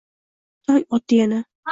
Tong otdi yana